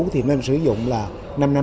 thì nên sử dụng là năm năm một mươi năm